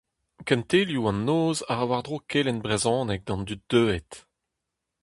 Kentelioù an Noz a ra war-dro kelenn brezhoneg d'an dud deuet.